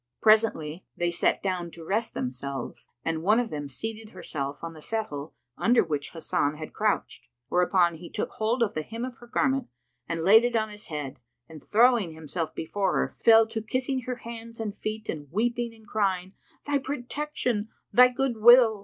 Presently they sat down to rest themselves, and one of them seated herself on the settle under which Hasan had crouched: whereupon he took hold of the hem of her garment and laid it on his head and throwing himself before her, fell to kissing her hands and feet and weeping and crying, "Thy protection! thy good will!"